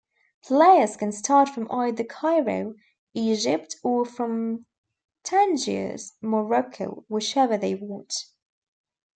Players can start from either Cairo, Egypt or from Tangiers, Morocco, whichever they want.